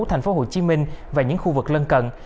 thành phố hồ chí minh và những khu vực lớn